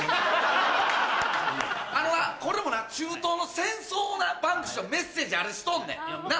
あのなこれもな中東の戦争をなバンクシーはメッセージあれしとんねんなっ？